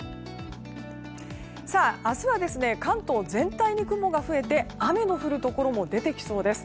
明日は関東全体に雲が増えて雨も降るところが出てきそうです。